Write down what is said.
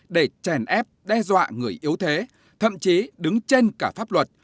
để chèn ép đe dọa người yếu thế thậm chí đứng trên cả pháp luật